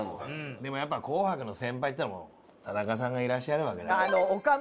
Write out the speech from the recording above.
でもやっぱ『紅白』の先輩っていったら田中さんがいらっしゃるわけだから。